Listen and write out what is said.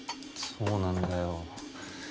そうなんだよ。